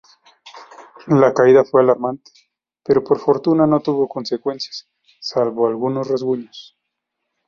La caída fue alarmante, pero por fortuna no tuvo consecuencias, salvo algunos rasguños.